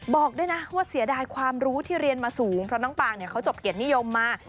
บอกด้วยนะว่าเสียดายความรู้ที่เรียนมาสูงเพราะน้องปางเขาจบเกียรตินิยมมา